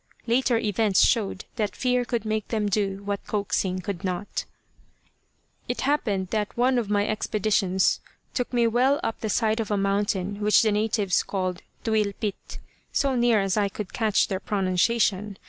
Later events showed that fear could make them do what coaxing could not. It happened that one of my expeditions took me well up the side of a mountain which the natives called Tuylpit, so near as I could catch their pronunciation.